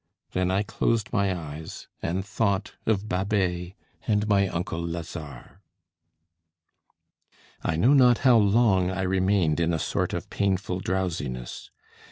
Then, I closed my eyes, and thought of Babet and my uncle Lazare. I know not how long I remained in a sort of painful drowsiness.